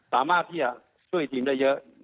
สามารถที่จะช่วยทีมได้เยอะ